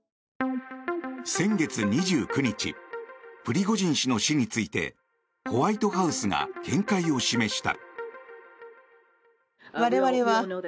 先月２９日プリゴジン氏の死についてホワイトハウスが見解を示した。